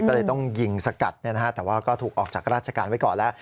ก็เลยต้องยิงสกัดแต่ว่าก็ถูกออกจากราชการไว้ก่อนแล้ว